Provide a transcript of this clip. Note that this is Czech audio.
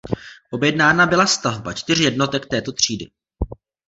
Objednána byla stavba čtyř jednotek této třídy.